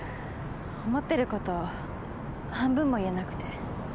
思ってること半分も言えなくて。